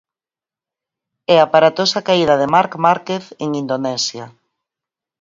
E aparatosa caída de Marc Márquez en Indonesia.